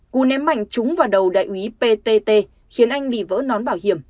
cú ném mạnh trúng vào đầu đại úy ptt khiến anh bị vỡ nón bảo hiểm